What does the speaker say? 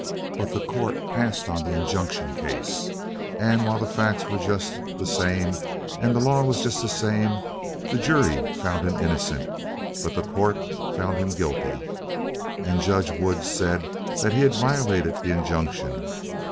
But the court passed on the injunction case, and while the facts were just the same and the law was just the same, the jury found him innocent, but the court found him guilty. And Judge Wood said that he had violated the injunction.